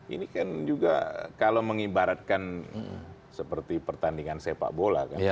ini kan juga kalau mengibaratkan seperti pertandingan sepak bola kan